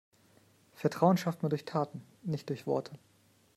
Vertrauen schafft man durch Taten, nicht durch Worte.